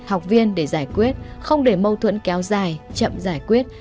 học viên để giải quyết không để mâu thuẫn kéo dài chậm giải quyết